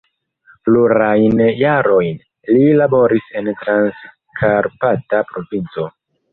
Plurajn jarojn li laboris en Transkarpata provinco.